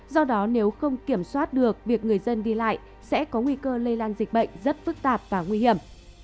do đó nếu không kiểm soát được việc người dân đi lại sẽ có nguy cơ lây lan dịch bệnh rất phức tạp và nguy hiểm